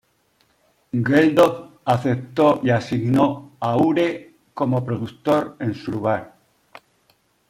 Geldof aceptó y asignó a Ure como productor en su lugar.